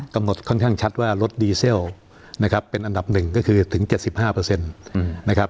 กำหนดค่อนข้างชัดว่าลดดีเซลนะครับเป็นอันดับหนึ่งก็คือถึง๗๕นะครับ